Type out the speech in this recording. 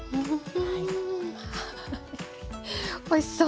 おいしそう！